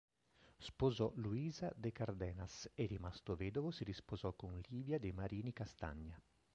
Sposò Luisa de Cardenas e rimasto vedovo si risposò con Livia de Marini Castagna.